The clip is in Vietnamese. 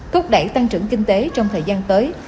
thúc đẩy tăng trưởng kinh tế trong thời gian tới